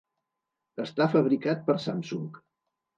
Està fabricat per Samsung.